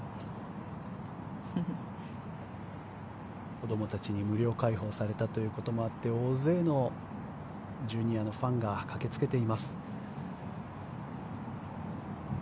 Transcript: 子どもたちに無料開放されたということもあって大勢のジュニアのファンが駆けつけています。